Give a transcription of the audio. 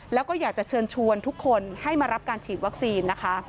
แล้วก็อยากจะเชิญชวนทุกคนให้มารับการฉีดวัคซีนนะคะ